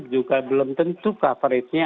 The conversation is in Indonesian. juga belum tentu coverage nya